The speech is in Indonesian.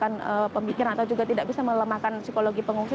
kita tidak bisa melemahkan pemikiran atau juga tidak bisa melemahkan psikologi pengungsi